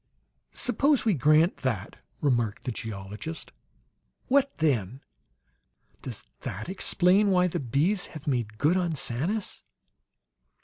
"Suppose we grant that," remarked the geologist. "What then? Does that explain why the bees have made good on Sanus?"